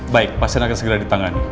baik pasien akan segera ditangani